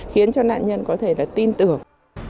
khiến cho nạn nhân có thể tin tưởng